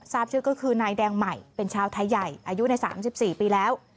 ทราบชื่อก็คือนายแดงใหม่เป็นชาวไทยใหญ่อายุใน๓๔ปีแล้ว